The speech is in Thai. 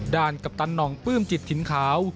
ด่านกัปตันนองปื้มจิตถิ่นขาว